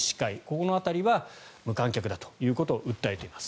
この辺りは無観客だということを訴えています。